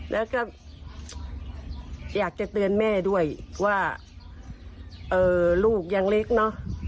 แล้วก็อยากจะเตือนแม่ด้วยว่าลูกยังเล็กเนอะ